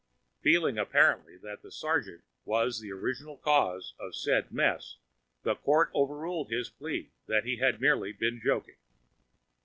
Feeling apparently that the sergeant was the original cause of said mess, the Court overruled his plea that he had merely been joking.